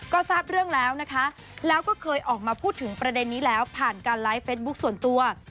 ก็ทราบเรื่องแล้วนะคะแล้วก็เคยออกมาพูดถึงประเด็นนี้แล้วผ่านการไลฟ์เฟสบุ๊คส่วนตัว